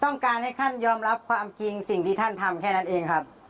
ต้องการให้ท่านยอมรับความจริงสิ่งที่ท่านทำแค่นั้นเองครับ